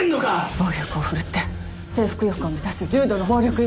暴力を振るって征服欲を満たす重度の暴力依存症。